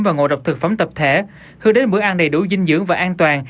và ngộ độc thực phẩm tập thể hư đến bữa ăn đầy đủ dinh dưỡng và an toàn